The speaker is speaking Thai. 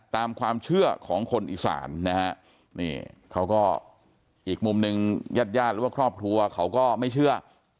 ตามความเชื่อของคนอีสานนะฮะนี่เขาก็อีกมุมหนึ่งญาติญาติหรือว่าครอบครัวเขาก็ไม่เชื่อ